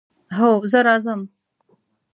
هو، زه راځم